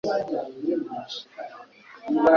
Abo bantu bose bateranirijwe hamwe buri wese